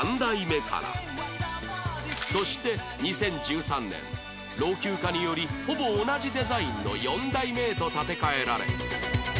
そして２０１３年老朽化によりほぼ同じデザインの４代目へと建て替えられ